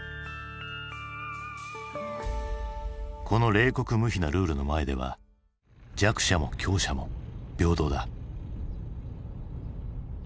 この冷酷無比なルールの前では弱者も強者も平等だ。